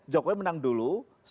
jokowi menang dulu